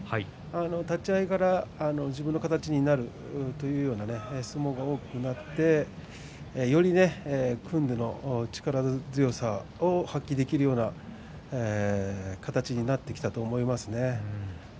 立ち合いから自分の形になるという相撲が多くなってより、組んでの力強さを発揮できるような形になってきたと思いますね。